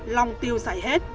long tiêu giải hết